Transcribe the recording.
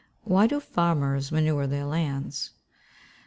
_Why do farmers manure their lands?